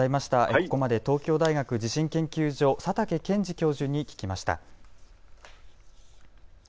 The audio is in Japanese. ここまで東京大学地震研究所の佐竹健治教授に聞きました。